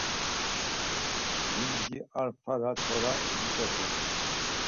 Limci a fara t̆ora niç̌opu.